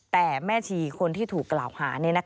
แต่แม่ชีคนที่ถูกกล่าวหา